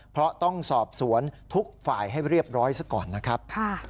เพราะต้องสอบสวนทุกฝ่ายให้เรียบร้อยซะก่อนนะครับ